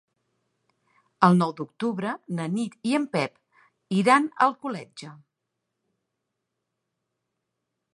El nou d'octubre na Nit i en Pep iran a Alcoletge.